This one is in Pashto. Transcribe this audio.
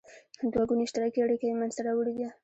دوه ګوني اشتراکي اړیکه یې مینځته راوړې ده.